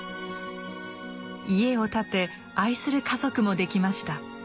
家を建て愛する家族もできました。